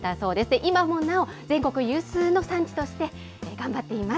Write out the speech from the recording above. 今もなお、全国有数の産地として頑張っています。